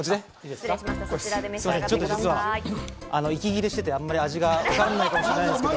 実は息切れしていて、味があまりわからないかもしれないですけど。